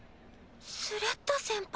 スレッタ先輩。